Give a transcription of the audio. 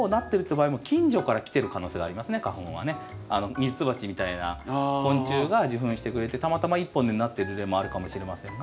ミツバチみたいな昆虫が受粉してくれてたまたま１本でなってる例もあるかもしれませんが。